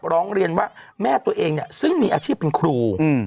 ร้องเรียนว่าแม่ตัวเองเนี่ยซึ่งมีอาชีพเป็นครู